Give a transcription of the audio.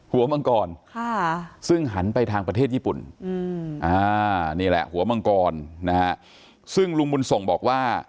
มังกรซึ่งหันไปทางประเทศญี่ปุ่นนี่แหละหัวมังกรนะฮะซึ่งลุงบุญส่งบอกว่า